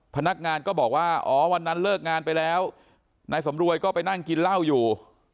พนักงานก็บอกว่าอ๋อวันนั้นเลิกงานไปแล้วนายสำรวยก็ไปนั่งกินเหล้าอยู่